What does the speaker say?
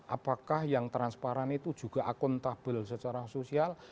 apakah yang transparan itu juga akuntabel secara sosial